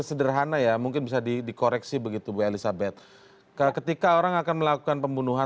sederhana ya mungkin bisa dikoreksi begitu bu elizabeth ketika orang akan melakukan pembunuhan